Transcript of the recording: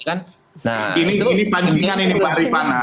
ini pancingan ini pak rifana